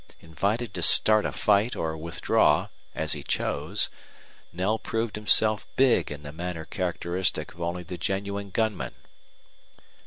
Invited to start a fight or withdraw, as he chose, Knell proved himself big in the manner characteristic of only the genuine gunman.